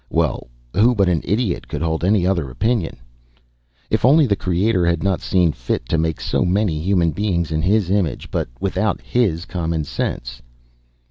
Well, who but an idiot could hold any other opinion? If only the Creator had not seen fit to make so many human beings in His image but without His common sense....